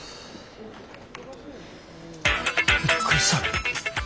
びっくりした。